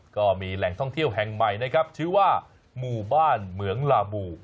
ก็มีแหล่งท่องเที่ยวแห่งใหม่นะครับชื่อว่าหมู่บ้านเหมืองลาบู